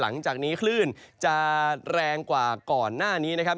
หลังจากนี้คลื่นจะแรงกว่าก่อนหน้านี้นะครับ